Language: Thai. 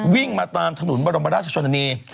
วิ่งมาตามถนนบรมราชชนนานี